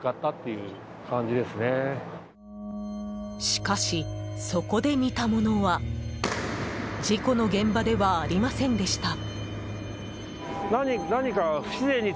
しかし、そこで見たものは事故の現場ではありませんでした。